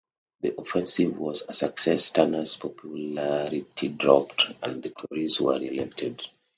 The offensive was a success, Turner's popularity dropped, and the Tories were re-elected.